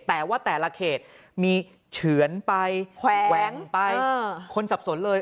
แต่ว่าแต่ละเขตมีเฉือนไปแกว่งไปคนสับสนเลย